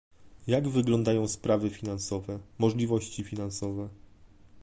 Jak wyglądają sprawy finansowe, możliwości finansowe?